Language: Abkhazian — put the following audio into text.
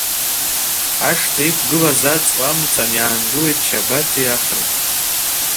Ашҭа иқәгылаз аҵла амҵан иаангылеит Шьабаҭи Ахреи.